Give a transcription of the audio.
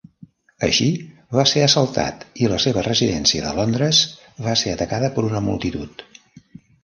Així, va ser assaltat i la seva residència de Londres va ser atacada per una multitud.